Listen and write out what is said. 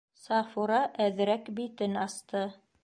Сафура әҙерәк битен асты.